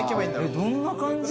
どんな感じ？